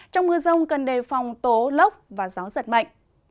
trong mưa rông cần đề phòng tố lốc và gió giật mạnh